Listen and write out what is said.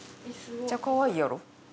めっちゃかわいいやろ？